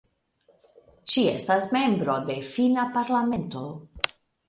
Ŝi estas membro de finna parlamento.